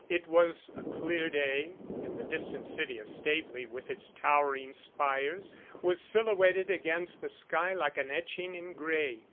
It was a clear day, and the distant city of Staveley, with its towering spires, was silhouetted against the sky like an etching in grey.